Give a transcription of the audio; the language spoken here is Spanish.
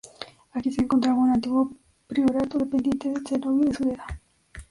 Aquí se encontraba un antiguo priorato, dependiente del cenobio de Sureda.